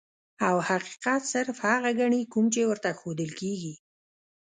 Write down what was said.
او حقيقت صرف هغه ګڼي کوم چي ورته ښودل کيږي.